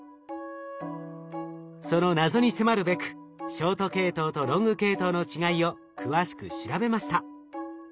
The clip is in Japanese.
その謎に迫るべくショート系統とロング系統の違いを詳しく調べました。